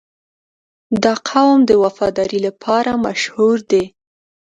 • دا قوم د وفادارۍ لپاره مشهور دی.